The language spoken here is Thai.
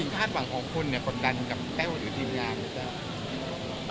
คาดหวังของคุณเนี่ยกดดันกับแต้วหรือทีมงานหรือแต้ว